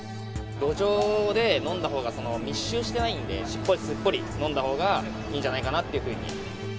路上で飲んだほうが密集してないんで、しっぽりすっぽり飲んだほうがいいんじゃないかなっていうふうに。